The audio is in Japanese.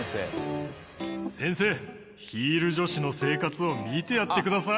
先生ヒール女子の生活を見てやってください。